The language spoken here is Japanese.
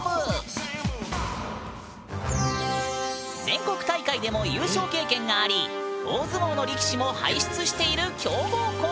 全国大会でも優勝経験があり大相撲の力士も輩出している強豪校！